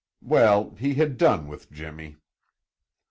Well, he had done with Jimmy.